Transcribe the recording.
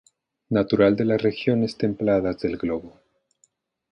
Natural de las regiones templadas del globo.